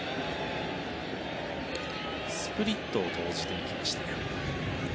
スプリットを投じていきました。